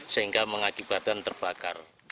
sehingga mengakibatkan terbakar